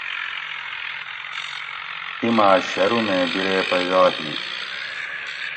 ایما شرومیں بِیرے پیدا ہی